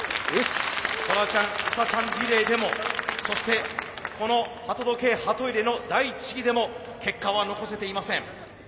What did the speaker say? トラちゃんウサちゃんリレーでもそしてこの鳩時計ハト入れの第一試技でも結果は残せていません。